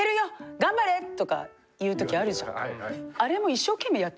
頑張れ！」とか言うときあるじゃん。